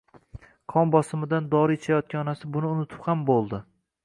qon bosimidan dori ichayotgan onasi buni unutib ham bo‘ldi.